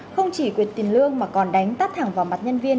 không chỉ quyệt tiền lương mà còn đánh tắt thẳng vào mặt nhân viên